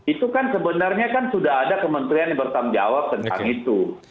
itu kan sebenarnya kan sudah ada kementerian yang bertanggung jawab tentang itu